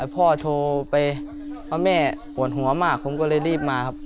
พ่อโทรไปว่าแม่ปวดหัวมากผมก็เลยรีบมาครับ